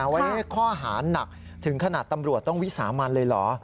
วันนี้ข้อหาหนักถึงขนาดตำรวจต้องวิสามันเลยเหรอ